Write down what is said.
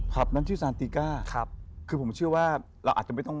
นั้นชื่อซานติก้าครับคือผมเชื่อว่าเราอาจจะไม่ต้อง